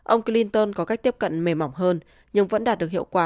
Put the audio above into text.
ông clinton có cách tiếp cận mềm mỏng hơn nhưng vẫn đạt được hiệu quả